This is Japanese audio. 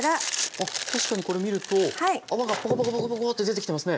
あっ確かにこれ見ると泡がポコポコポコポコって出てきてますね。